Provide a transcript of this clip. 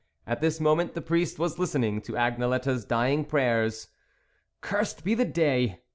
At this mo ment the priest was listening to Agne lette's dying prayers. " Cursed be the day